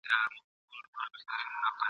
څو سيندونه لا بهيږي !.